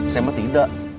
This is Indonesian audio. saya mah tidak